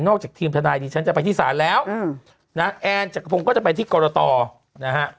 จากทีมทนายดิฉันจะไปที่ศาลแล้วนะแอนจักรพงศ์ก็จะไปที่กรตนะฮะ